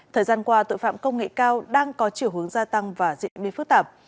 thời gian qua tội phạm công nghệ cao đang có chiều hướng gia tăng và diễn biến phức tạp